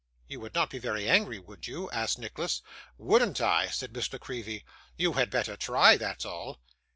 'You would not be very angry, would you?' asked Nicholas. 'Wouldn't I!' said Miss La Creevy. 'You had better try; that's all!